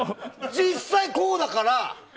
実際、こうだから。